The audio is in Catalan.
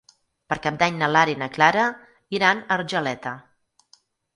Per Cap d'Any na Lara i na Clara iran a Argeleta.